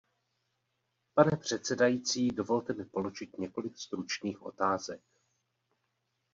Pane předsedající, dovolte mi položit několik stručných otázek.